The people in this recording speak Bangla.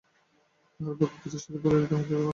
তাহার পর দৃঢ়স্বরে বলিল, সে তোমার নহে।